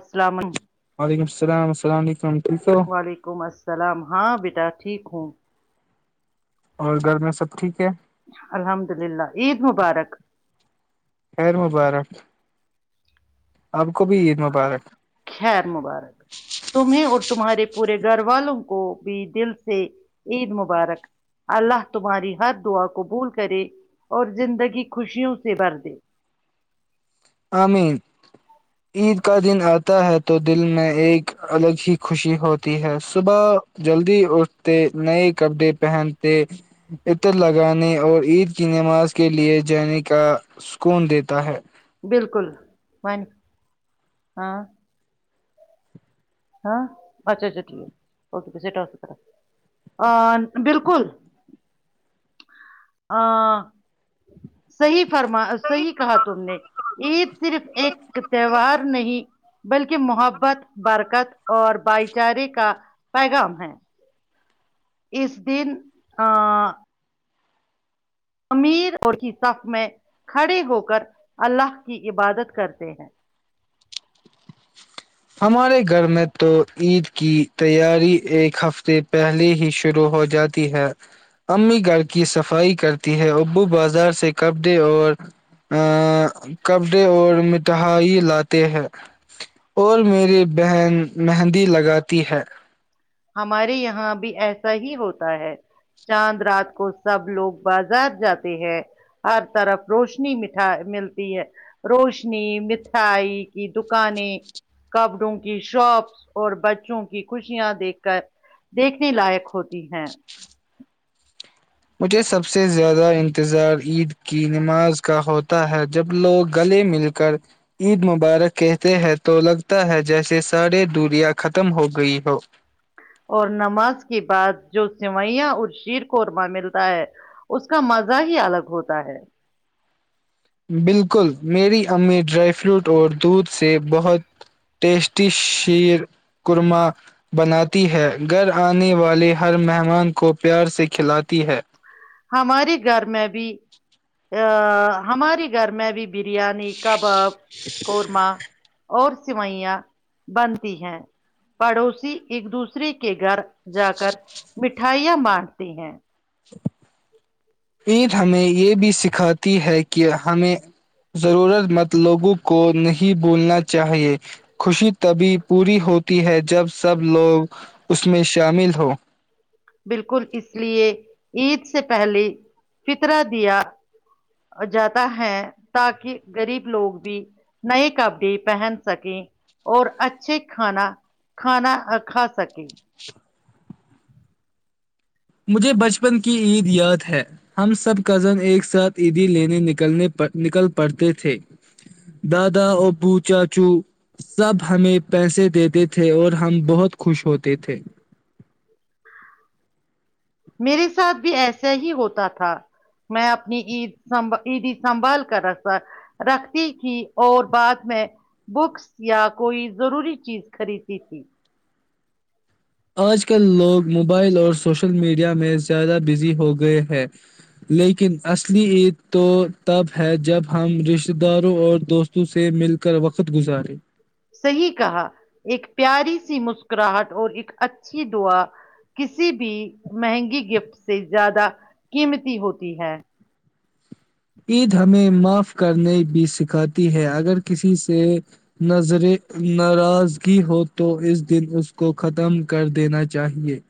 السلام علیکم وعلیکم السلام السلام علیکم ٹھیک ہے وعلیکم السلام ہاں بیٹا ٹھیک ہوں اور گھر میں سب ٹھیک ہے الحمد للہ عید مبارک خیر مبارک آپ کو بھی عید مبارک خیر مبارک تمہیں اور تمہارے پورے گھر والوں کو بھی دل سے عید مبارک اللہ تمہاری ہر دعا قبول کرے اور زندگی خوشیوں سے بھر دے آمین عید کا دن آتا ہے تو دل میں ایک الگ ہی خوشی ہوتی ہے صبح جلدی اٹھتے نئے کپڑے پہنتے عطر لگانے اور عید کی نماز کے لیے جانے کا سکون دیتا ہے بالکل ون ہاں ہاں اچھا اچھا ٹھیک ہےکےا طرا بالکل ا صیح فرما صحیح کہا تم نے عید صرف ایک تہوار نہیں بلکہ محبت برکت اور بھائی چارے کا پیغام ہے اس دن آ امیر اور کی صف میں کھڑے ہوک اللہ کی عبادت کرتے ہیں ہمارے گھر میں تو عید کی تیاری ایک ہفتے پہلے ہی شروع ہو جاتی ہے امی گھر کی صفائی کرتی ہے ابو بازار سے کپڑے اور ا کپڑے اور مٹھائی لاتے ہے اور میری بہن مہندی لگاتی ہے ہمارے یہاں بھی ایسا ہی ہوتا ہے چاند رات کو سب لوگ بازار جاتے ہیں ہر طرف روشنی مٹا ملتی ہے روشنی مٹھائی کی دکانیں کپڑوں کی شاپس اور بچوں کی خوشیاں دیکھ دیکھنے لائق ہوتی ہیں مجھے سب سے زیادہ انتظار عید کی نماز کا ہوتا ہے جب لوگ گلے مل کر عید مبارک کہتے ہیں تو لگتا ہے جیسے سارے دوریا ختم ہو گئی ہو اور نماز کے بعد جو سوئیاں اور شیر قورما ملتا ہے اس کا مزہ ہی الگ ہوتا ہے بالکل میری امی ڈرائی فروٹ اور دودھ سے بہت ٹیسٹی شیر قورما بناتی ہے گھر آنے والے ہر مہمان کو پیار سے کھلاتی ہے ہماری گھر میں بھی ا ہماری گھر میں بھی برییاانی کباب قورما اور سوئیاں بنتی ہیں پڑوسی ایک دوسرے کے گھر جا کر مٹھائیاں باندتی ہیں عید ہمیں یہ بھی سکھاتی ہے کہ ہمیں ضرورت مند لوگوں کو نہیں بھولنا چاہئے خوشی تبھی پوری ہوتی ہے جب سب لوگ اس میں شامل ہوں بالکل اس لیے عید سے پہلے فطرا دیا جاتا ہے تاکہ غریب لوگ بھی نئے کپڑے پہن سکیں اور اچھے کھانا کھانا کھا سکے مجھے بچپن کی عید یاد ہے ہم سب کزن ایک ساتھ عیدی لینے نکلنے نکل پڑتے تھے دادا ابو چاچو سب ہمیں پیسے دیتے تھے اور ہم بہت خوش ہوتے تھے میرے ساتھ بھی ایسا ہی ہوتا تھا میں اپنی عید سب عیدی سنبھال کر ر رکھتی تھی اور بعد میں بکس یا کوئی ضروری چیز خریدتی تھی آج کل لوگ موبائل اور سوشل میڈیا میں زیادہ بزی ہو گئے ہیں لیکن اصلی عید تو تب ہے جب ہم رشتہ داروں اور دوستوں سے مل کر وقت گزارے صحیح کہا ایک پیاری سی مسکراہٹ اور ایک اچھی دععا کسی بھی مہنگی گفٹ سے زیادہ قیمتی ہوتی ہے عید ہمیں معاف کرنے بھی سکھاتی ہے اگر کسی سے ناراضگی ہو تو اس دن اس کو ختم کر دینا چاہیئے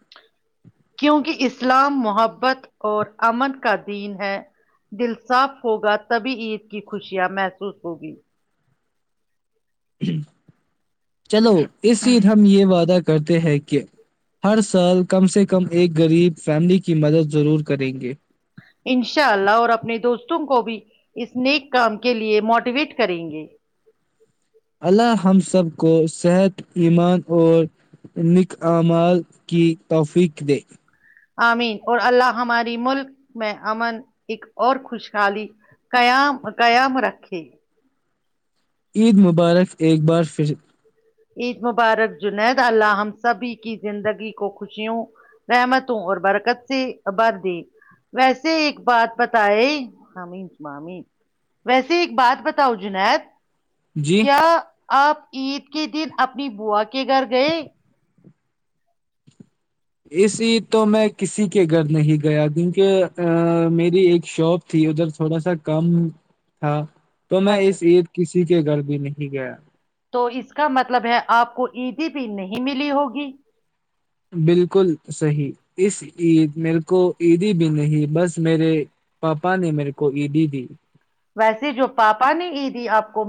کیونکہ اسلام محبت اور امن کا دین ہے دل صاف ہوگا تبھی عید کی خوشیاں محسوس ہوگی جی چلو اس س ہم یہ وعدہ کر کرتے ہیں کہ ہر سال کم سے کم ایک غریب فیملی کی مدد ضرور کریں گے ان شاء اللہ اور اپنے دوستوں کو بھی اس نیک کام کے لیے موٹیویٹ کریں گے اللہ ہم سب کو صحت ایمان اور نکمال کی توفیق دے آمین اور اللہ ہماری ملک میں امن ایک اور خوشحالی قیام قیام رکھے عید مبارک ایک بار پھر عید مبارک جنید اللہ ہم سبھی کی زندگی کو خوشیوں رحمتوں اور برکت سےبر دے ویسے ایک بات بتائے ہم اسمامی ویسے ایک بات بتاؤ جنید جی کیا آپ عید کے دن اپنی بوو کے گھر گئے اسی تو میں کسی کے گھر نہیں گیا کیونکہ ا میری ایک شاپ تھی ادھر تھوڑا سا کام تھا تو میں اچھا اس عید کی کسی کے گھر بھی نہیں گیا تو اس کا مطلب ہے آپ کو ای ڈی پ نہیں ملی ہوگی بالکل صحی اس عید میرے کو عیدی بھی نہیں بس میرے پاپا نے میرے کو عیدی دی ویسے جو پاپا نے عیدی آپ کو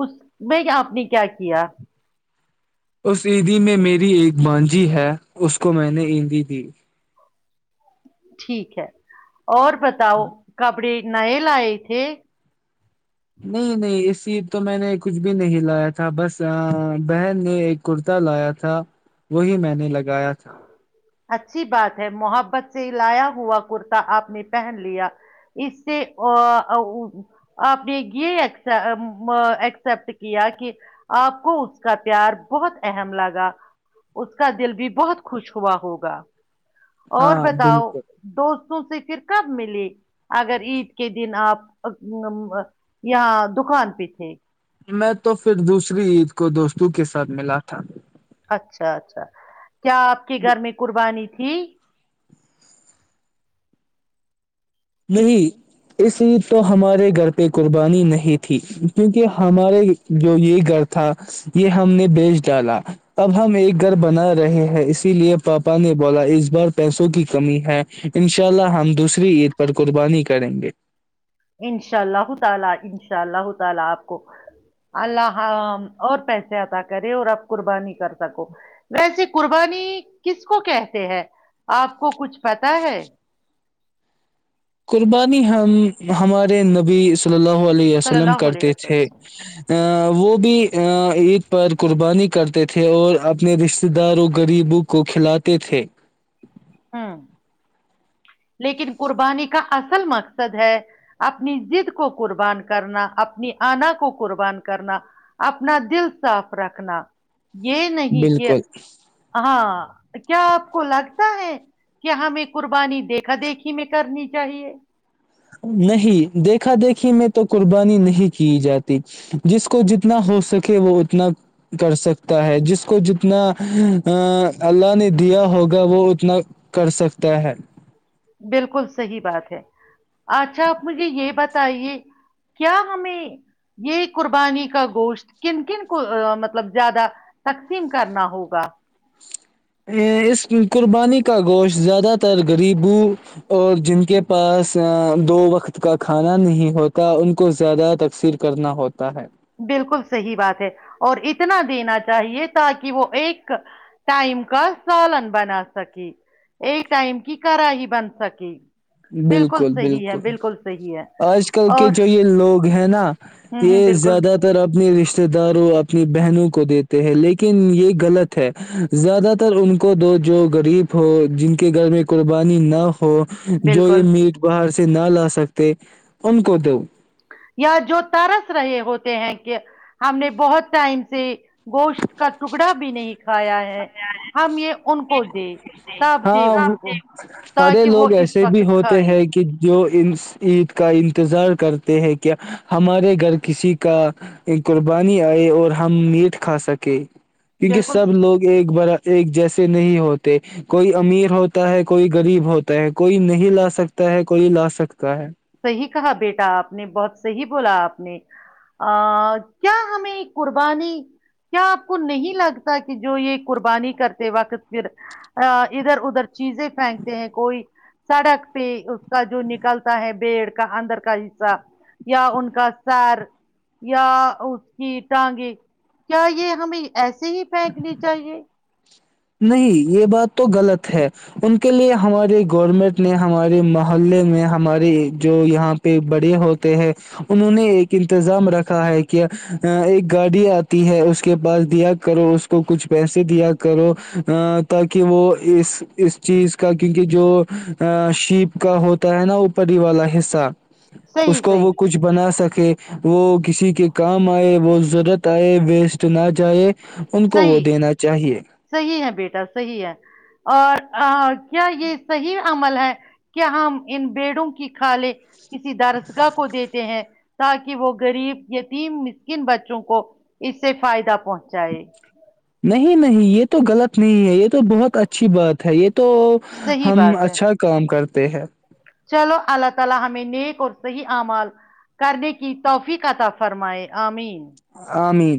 اس میں آپ نے کیا کیا اس عیدی میں میری ایک مانجی ہے اس کو میں نے عیدی دی ٹھیک ہے اور بتاؤ کپڑی نائے لئے تھے نہیں نہیں اس تو میں نے کچھ بھی نہیں لایا تھا بس بہن نے ایک کرتا لایا تھا وہی میں نے لگایا تھا اچھی بات ہے محبت سے لایا ہوا کرتا آپ نے پہن لیا اس سے آپ نے یہ ایکسپٹ کیا کہ آپ کو اس کا پیار بہت اہم لگا اس کا دل بھی بہت خوش ہوا ہوگا اور ہاں بتاؤ بالکل دو سے پھر کب ملے اگر عید کے دن آپ یہاں دکان پہ تھے میں تو پھر دوسری عید کو دوستوں کے ساتھ ملا تھا اچھا اچھا کیا آپ کے گھر میں قربانی ہی [inaudible] نہیں اس عید تو ہمارے گھر پہ قربانی نہیں تھی کیونکہ ہمارے جو یہ گھر تھا یہ ہم نے بیچ ڈالا اب ہم ایک گھر بنا رہے ہیں اسی لیے پاپا نے بولا اس بار پیسوں کی کمی ہے ان شاء اللہ ہم دوسری عید پر قربانی کریں گے انشاءاللہ تعالا اپ کو اللہ حرام اور اب قربانی کر سکیں ایسی قربانی کس کو کہتے ہیں اپ کو کچھ پتہ ہے قربانی ہم ہمارے نبی صلی اللہ علیہ صلی وسلم اللہ علیہ کرتے تھے ا وسلم وہ بھی عید پر قربانی کرتے تھے اور اپنے رشتہ داروں غریبوں کو کھلاتے تھے ہ لیکن قربانی کا اصل مقصد ہے اپنی ضد کو قربان کرنا اپنی آنا کو قربان کرنا اپنا دل صاف رکھنا یہ نہیں کہ بالکل ہاں کیا آپ کو لگ کیا ہمیں قربانی دیکھا دیکھی میں کرنی چاہیے نہیں دیکھا دیکھی میں تو قربانی نہیں کی جاتی جس کو جتنا ہو سکے وہ اتنا کر سکتا ہے جس کو جتنا اللہ نے دیا ہوگا وہ اتنا کر سکتا ہے بالکل صحیح بات ہے اچھا آپ مجھے یہ بتائیے کیا ہمیں یہ قربانی کا گوشت کن کن کو مطلب زیادہ تقسیم کرنا ہوگا ا اس قربانی کا گوشت زیادہ تر غریبوں اور جن کے پاس دو وقت کا کھانا نہیں ہوتا ان کو زیادہ تقثیر کرنا ہوتا ہے بالکل صحیح بات ہے اور اتنا دینا چاہیے تاکہ وہ ایک ٹائم کا سالن بنا سکے ایک ٹائم کی کڑی بن سکے بالکل صحیح ہے بالکل صحیح ہے آج کل کے اور جو یہ لوگ ہیں نا ہوں ہوں یہ بالکل زیادہ تر اپنی رشتے رشتے داروں اپنی بہنوں کو دیتے ہیں لیکن یہ غلط ہے زیادہ تر ان کو دو جو غریب ہو جن کے گھر میں قربانی نہ ہو جو یہ بالکل میٹ باہر نہ لا سکتے ان کو دو یا جو ترس رہے ہوتے ہیں کہ ہم نے بہت ٹائم سے گوشت کا ٹکڑا بھی نہیں کھایا ہے ہم یہ ان کو دے تب دے ہاں ان کو اھے تاکہ وہ لوگ اس ایسے بھی وقت ہوتے کھائے ہیں کہ جو عید کا انتظار کرتے ہیں کیا ہمارے گھر کسی کا قربانی آئے اور ہم میٹ کھا سکے کیونکہ بالکل سب لوگ [inaudible] بڑا ایک جیسے نہیں ہوتے کوئی امیر ہوتا ہے کوئی غریب ہوتا ہے کوئی نہیں لا سکتا ہے کوئی لا سکتا ہے صحیح کہا بیٹا آپ نے بہت صحیح بولا آپ نے کیا ہمیں قربانی کیا آپ کو نہیں لگتا کہ جو یہ قربانی کرتے وقت پھر ادھر ادھر چیزیں پھینکتے ہیں کوئی سڑک پہ اس کا جو نکلتا ہے پیڑ کا اندر کا حصہ یا ان کا سیر یا اس کی ٹانگیں کیا یہ ہمیں ایسے ہی پھینکنی چاہیے نہیں یہ بات تو غلط ہے ان کے لیے ہمارے گورنمنٹ نے ہمارے محلے میں ہمارے جو یہاں پہ بڑے ہوتے ہیں انہوں نے ایک انتظام رکھا ہے کہ ایک گاڑی آتی ہے اس کے پاس دیا کرو اس کو کچھ پیسے دیا کرو ا تاکہ وہ اس اس چیز کا کیونکہ جو شیپ کا ہوتا ہے نا اوپری ہی والا حصہ اس صحیح کو وہ صحیح کچھ بنا سک کہ وہ کسی کے کام آئے وہ ضرورت آئے ویسٹ نہ جائے ان کو وہ صحیح دینا چاہیے صحیح ہے بیٹا صحیح ہے اور کیا یہ صحیح عمل ہے کیا ہم ان بیڑوں کی کالے کسی دارشگاہ کو دیتے ہیں تاکہ وہ غریب یتیم مسکن بچوں کو اس سے فائدہ پہنچائے نہیں نہیں یہ تو غلط نہیں ہے یہ تو بہت اچھی بات ہے یہ تو صحیح ہم بات ہے اچھا کام کرتے ت ہے چلو اللہ تعالی ہمیں نیک اور صحیح اعمال کرنے کی توفیق عطا فرمائے امین امین